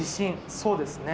そうですね。